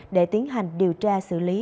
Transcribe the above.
để tiến hành điều tra xử lý